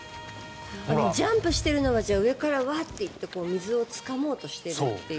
ジャンプしてるのは上からワッと水をつかもうとしているという。